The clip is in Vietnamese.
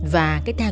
và cách thai